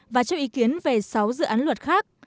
và cho ý kiến về sáu dự án luật khác